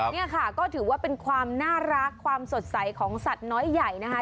นี่ค่ะก็ถือว่าเป็นความน่ารักความสดใสของสัตว์น้อยใหญ่นะคะ